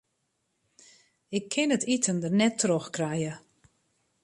Ik kin it iten der net troch krije.